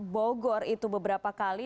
bogor itu beberapa kali